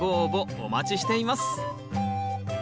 お待ちしています。